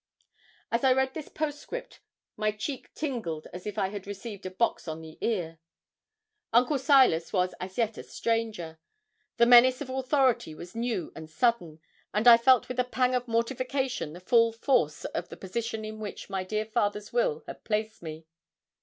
As I read this postscript, my cheek tingled as if I had received a box on the ear. Uncle Silas was as yet a stranger. The menace of authority was new and sudden, and I felt with a pang of mortification the full force of the position in which my dear father's will had placed me.